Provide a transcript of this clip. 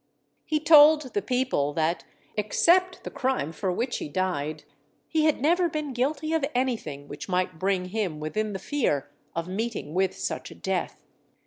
He told the people that, except the crime for which he died, he had never been guilty of anything which might bring him within the fear of meeting with such a death.